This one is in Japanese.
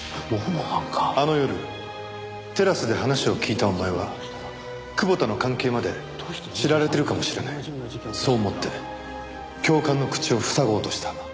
あの夜テラスで話を聞いたお前は久保田の関係まで知られてるかもしれないそう思って教官の口を塞ごうとしたんだ。